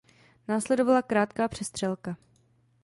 Následovala krátká přestřelka.